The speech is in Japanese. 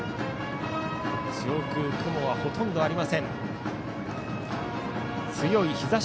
上空、雲はほとんどありません。